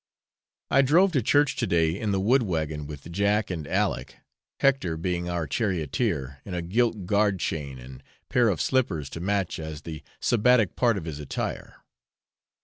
I drove to church to day in the wood wagon, with Jack and Aleck, Hector being our charioteer, in a gilt guard chain and pair of slippers to match as the Sabbatic part of his attire.